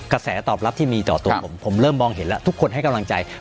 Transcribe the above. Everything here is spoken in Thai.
กระแสตอบรับที่มีต่อตัวผมผมเริ่มมองเห็นแล้วทุกคนให้กำลังใจ